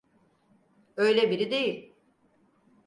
Öyle biri değil.